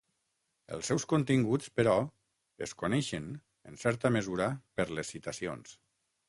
Els seus continguts, però, es coneixen, en certa mesura per les citacions.